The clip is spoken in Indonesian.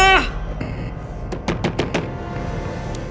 tidak ada yang bisa dikeluarkan